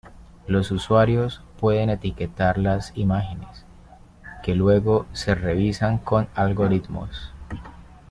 Los usuarios pueden etiquetar las imágenes, que luego se revisan con algoritmos.